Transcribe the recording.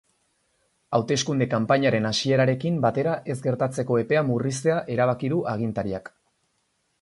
Hauteskunde-kanpainaren hasierarekin batera ez gertatzeko epea murriztea erabaki du agintariak.